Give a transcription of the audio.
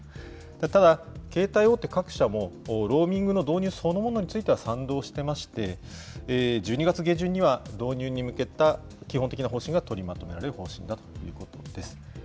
ただ、携帯大手各社も、ローミングの導入そのものについては賛同してまして、１２月下旬には導入に向けた基本的な方針が取りまとめられる方針だということです。